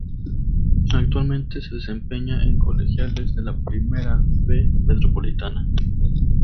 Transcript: Actualmente se desempeña en Colegiales de la Primera B Metropolitana.